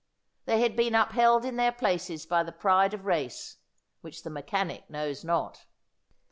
They had been upheld in their places by the pride of race, which the mechanic knows not.